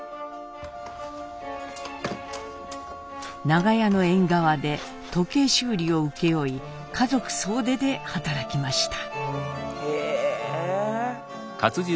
長屋の縁側で時計修理を請け負い家族総出で働きました。